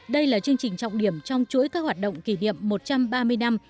đây là chương trình trọng điểm trong chuỗi các hoạt động kỷ niệm một trăm ba mươi năm